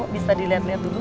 bisa dilihat lihat dulu